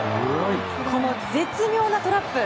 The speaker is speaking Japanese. この絶妙なトラップ